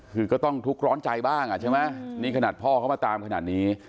คือก็ต้องทุกข์ร้อนใจบ้างอ่ะใช่ไหมนี่ขนาดพ่อเขามาตามขนาดนี้